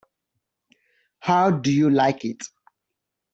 How do you like it?